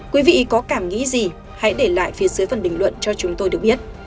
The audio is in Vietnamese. quý vị có cảm nghĩ gì hãy để lại phía dưới phần bình luận cho chúng tôi được biết